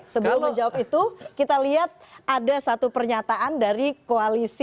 sebelum menjawab itu kita lihat ada satu pernyataan dari koalisi